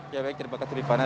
ya baik terima kasih rifana